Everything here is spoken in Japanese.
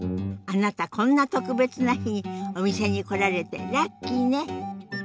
あなたこんな特別な日にお店に来られてラッキーね。